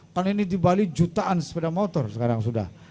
kan ini di bali jutaan sepeda motor sekarang sudah